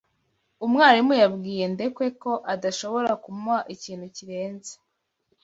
Umwarimu yabwiye Ndekwe ko adashobora kumuha ikintu kirenze